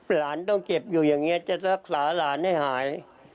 หลานต้องเก็บอยู่อย่างนี้จะรักษาหลานให้หาย